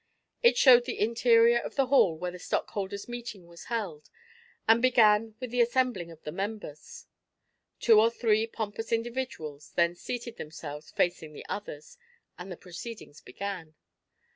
It showed the interior of the hall where the stock holders' meeting was held, and began with the assembling of the members. Two or three pompous individuals then seated themselves facing the others, and the proceedings began.